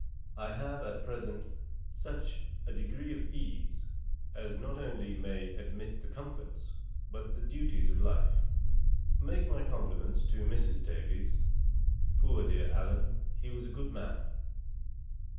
I have at present, such a degree of ease, as not only may admit the comforts, but the duties of life. Make my compliments to Mrs. Davies. Poor dear Allen, he was a good man.'